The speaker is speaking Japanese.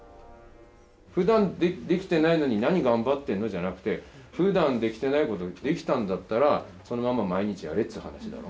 ふだんできてないのになに頑張ってんのじゃなくてふだんできてないことをできたんだったらそのまま毎日やれっつう話だろ？